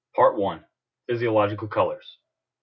PART I. PHYSIOLOGICAL COLOURS.